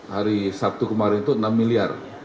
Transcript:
hari sabtu kemarin itu enam miliar